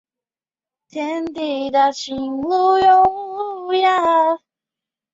铜钹是一种常见的打击乐器。